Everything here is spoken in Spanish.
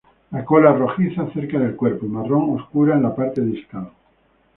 La cola es rojiza cerca del cuerpo y marrón oscuro en la parte distal.